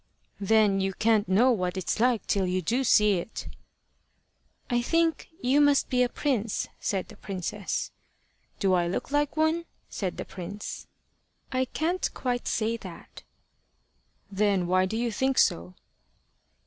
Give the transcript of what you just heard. "Then you can't know what it's like till you do see it." "I think you must be a prince," said the princess. "Do I look like one?" said the prince. "I can't quite say that." "Then why do you think so?"